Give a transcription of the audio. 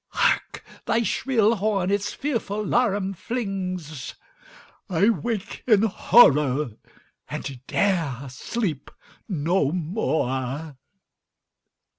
Hark, thy shrill horn its fearful laram flings! —I wake in horror, and 'dare sleep no more!